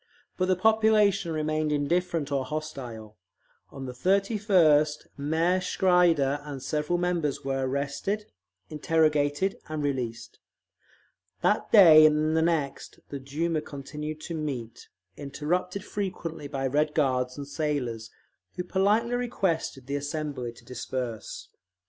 But the population remained indifferent or hostile. On the 31st Mayor Schreider and several members were arrested, interrogated, and released. That day and the next the Duma continued to meet, interrupted frequently by Red Guards and sailors, who politely requested the assembly to disperse.